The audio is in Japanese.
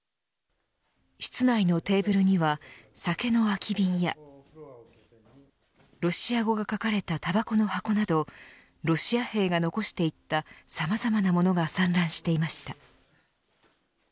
室内のテーブルには酒の空き瓶やロシア語が書かれたたばこの箱などロシア兵が残していったさまざまな物が散乱していました。